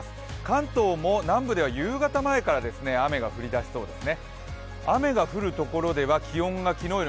関東も南部では夕方前から雨が降りだしそうです。